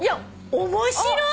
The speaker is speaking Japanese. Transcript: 面白い！